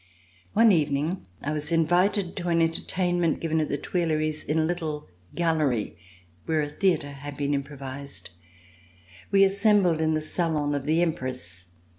One evening I was invited to an entertainment given at the Tuileries, in a little gallery where a theatre had been improvised. We assembled in the salon of the Empress.